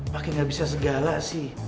pakai gak bisa segala sih